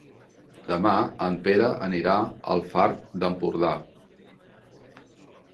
Demà en Pere anirà al Far d'Empordà.